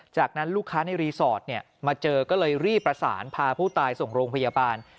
จากนั้นลูกค้าในรีสอร์ทมาเจอก็เลยรีบประสานพาผู้ตายส่งโรงพยาบาล